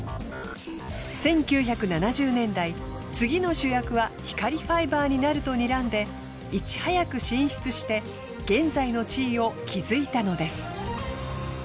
１９７０年代次の主役は光ファイバーになるとにらんでいちはやく進出して現在の地位を築いたのです。